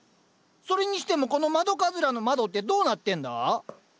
それにしてもこの窓かずらの窓ってどうなってんだ？